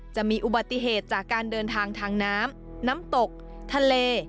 จะมีอุบัติเหตุจากการเดินทางทางน้ำน้ำตกทะเล